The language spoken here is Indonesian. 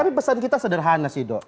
tapi pesan kita sederhana sih dok